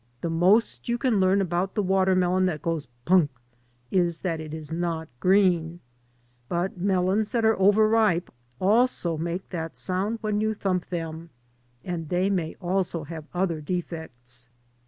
The most you can learn about the watermelon that "goes pun k" is that it is not green . But melons that are over ripe also make that sound when you thump them. And they may also have other defects.